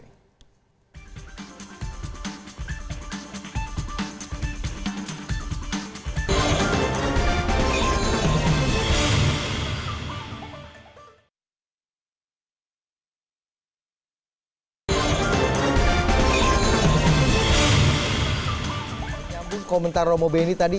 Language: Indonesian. kami nyambung komentar roma beny tadi